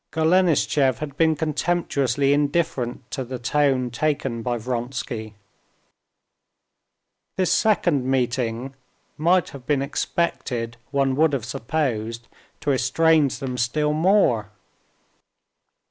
Golenishtchev had been contemptuously indifferent to the tone taken by Vronsky. This second meeting might have been expected, one would have supposed, to estrange them still more.